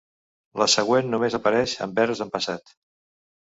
La següent només apareix en verbs en passat.